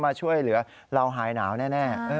มาช่วยเหลือเราหายหนาวแน่